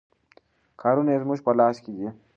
کارونه یې زموږ په لاس کې دي.